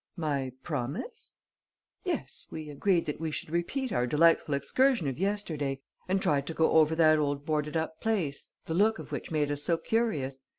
"My promise?" "Yes, we agreed that we should repeat our delightful excursion of yesterday and try to go over that old boarded up place the look of which made us so curious.